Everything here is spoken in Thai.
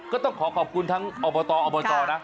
ก็ต้องขอขอบคุณทั้งอบตอบจนะ